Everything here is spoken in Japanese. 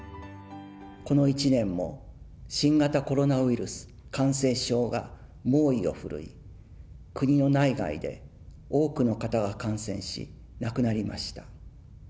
この一年も、新型コロナウイルス感染症が猛威を振るい、国の内外で多くの方が感染し、亡くなりました。